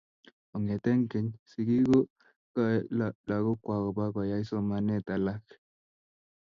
Kongeteke keny, sikik kokakae lakokwai koba koyai somanet alak